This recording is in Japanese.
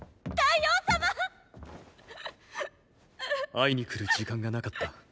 会いに来る時間がなかった。